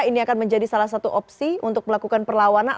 ini akan menjadi salah satu opsi untuk melakukan perlawanan